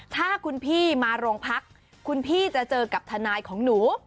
ถ้าคุณพี่มาโรงพักคุณพี่จะเจอกับทนายของหนู